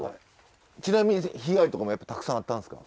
ちなみに被害とかもやっぱたくさんあったんですか？